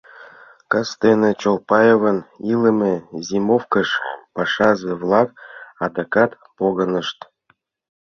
Кастене Чолпаевын илыме зимовкыш пашазе-влак адакат погынышт.